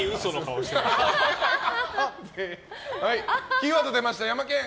キーワード出ましたヤマケン！